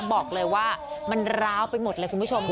บอกเลยว่ามันร้าวไปหมดเลยคุณผู้ชม